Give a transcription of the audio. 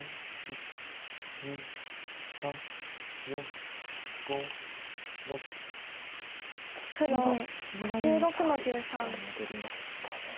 一旦戻りました。